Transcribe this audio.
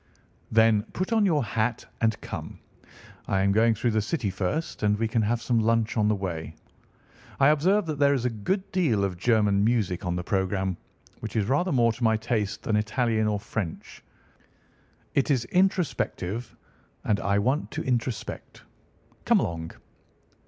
"Then put on your hat and come. I am going through the City first, and we can have some lunch on the way. I observe that there is a good deal of German music on the programme, which is rather more to my taste than Italian or French. It is introspective, and I want to introspect. Come along!"